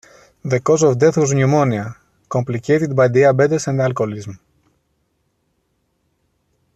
The cause of death was pneumonia, complicated by diabetes and alcoholism.